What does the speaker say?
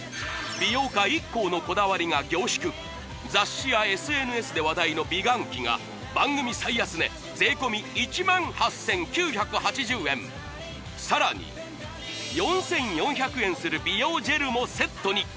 美容家ＩＫＫＯのこだわりが凝縮雑誌やＳＮＳで話題の美顔器が番組最安値さらに４４００円する美容ジェルもセットに！